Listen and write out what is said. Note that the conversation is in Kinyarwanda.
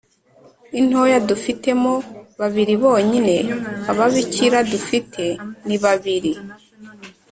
intoya dufitemo babiri bonyine ababikira dufite nibabiri